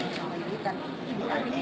dan kekuatan ini tidak bisa